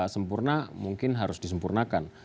sempurna mungkin harus disempurnakan